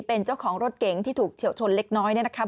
เป็นเจ้าของรถเก๋งที่ถูกเฉียวชนเล็กน้อยเนี่ยนะคะ